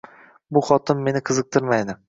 Bu xotin meni qiziqtirmaydi